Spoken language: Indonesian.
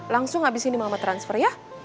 langsung habis ini mama transfer ya